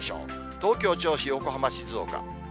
東京、銚子、横浜、静岡。